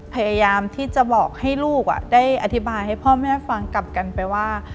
พยายามที่จะบอกให้ลูกได้อธิบายให้พ่อแม่ฟังกลับกันไปว่า